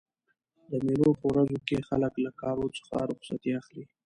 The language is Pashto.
د مېلو په ورځو کښي خلک له کارو څخه رخصتي اخلي.